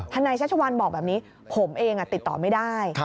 นายชัชวัลบอกแบบนี้ผมเองติดต่อไม่ได้